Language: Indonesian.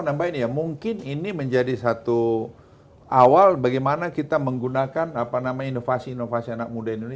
nambahin ya mungkin ini menjadi satu awal bagaimana kita menggunakan apa namanya inovasi inovasi anak muda indonesia